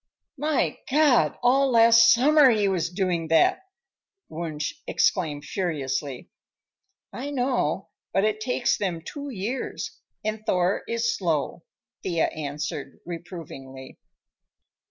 "My God! all last summer he was doing that!" Wunsch exclaimed furiously. "I know, but it takes them two years, and Thor is slow," Thea answered reprovingly.